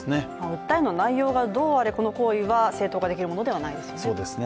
訴えの内容がどうあれ、この行為は正当化できるものではないですよね